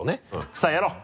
さぁやろう！